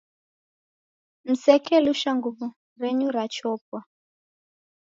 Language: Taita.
Msekelusha nguw'o renyu rachopwa.